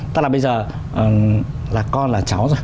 tức là bây giờ là con là cháu rồi